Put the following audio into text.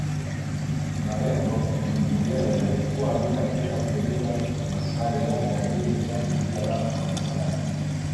Malengo mengineyo yalikuwa ni katika kulinda maslahi ya jamii ya kabila la Wamaasai